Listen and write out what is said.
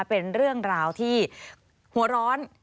เป็นเรื่องราวที่หัวร้อน